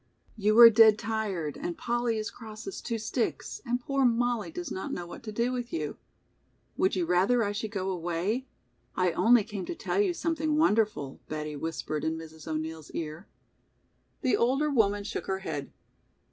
"You are dead tired and Polly is cross as two sticks and poor Mollie does not know what to do with you. Would you rather I should go away? I only came to tell you something wonderful," Betty whispered in Mrs. O'Neill's ear. The older woman shook her head.